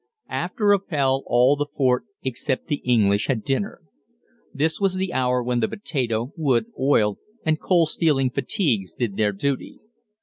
After Appell all the fort except the English had dinner. This was the hour when the potato, wood, oil, and coal stealing fatigues did their duty.